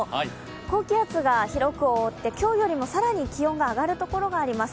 高気圧が広く覆って今日よりも更に気温が上がるところがあります